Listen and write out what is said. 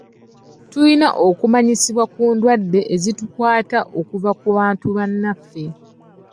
Tulina okumanyisibwa ku ndwadde ezitukwata okuva ku bantu bannaffe.